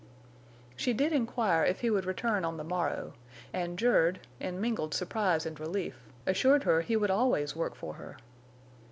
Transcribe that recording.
She did inquire if he would return on the morrow, and Jerd, in mingled surprise and relief, assured her he would always work for her.